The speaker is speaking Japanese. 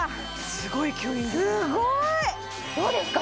すごい吸引力どうですか？